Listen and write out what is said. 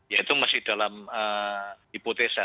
ya itu masih dalam hipotesa